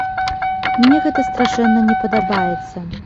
Мне гэта страшэнна не падабаецца.